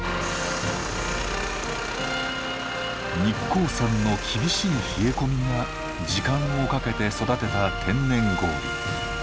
日光山の厳しい冷え込みが時間をかけて育てた天然氷。